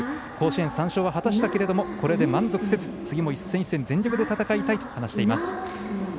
甲子園３勝は果たしたけど満足せず次も一戦一戦大事に戦いたいと話しています。